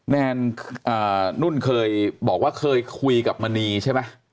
แนนนุ่นเคยบอกว่าเคยคุยกับมณีใช่ไหม